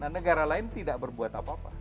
negara lain tidak berbuat apa apa